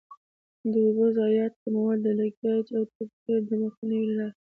د اوبو ضایعاتو کمول د لیکج او تبخیر د مخنیوي له لارې.